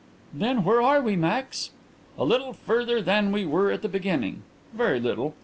"Then where are we, Max?" "A little further than we were at the beginning. Very little....